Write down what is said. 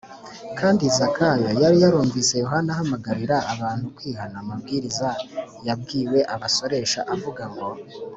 kandi zakayo yari yarumvise yohana ahamagarira abantu kwihana amabwiriza yabwiwe abasoresha avuga ngo